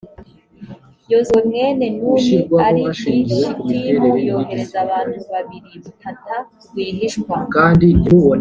yozuwe, mwene nuni, ari i shitimu, yohereza abantu babiri gutata rwihishwa,